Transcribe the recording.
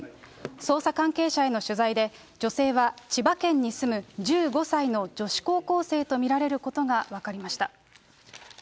捜査関係者への取材で、女性は千葉県に住む１５歳の女子高校生と見られることが分かりました。